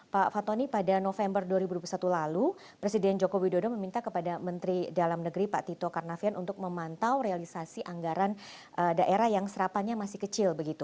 pak fatoni pada november dua ribu dua puluh satu lalu presiden joko widodo meminta kepada menteri dalam negeri pak tito karnavian untuk memantau realisasi anggaran daerah yang serapannya masih kecil begitu